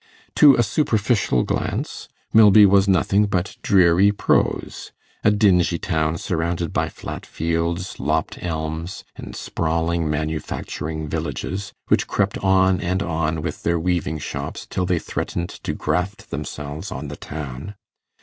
To a superficial glance, Milby was nothing but dreary prose: a dingy town, surrounded by flat fields, lopped elms, and sprawling manufacturing villages, which crept on and on with their weaving shops, till they threatened to graft themselves on the town.